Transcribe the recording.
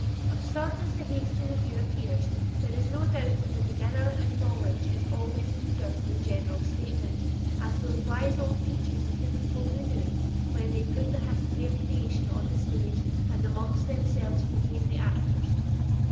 Absurd as the hasty review appears, there is no doubt that the beginner in knowledge is always eager for the general statement, as those wise old teachers of the people well knew, when they put the history of creation on the stage and the monks themselves became the actors.